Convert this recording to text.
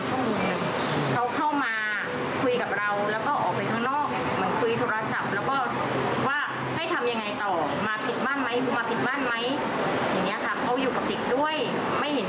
เชื่อแน่ว่ามีบุคคลที่สามอยู่ด้านหลัง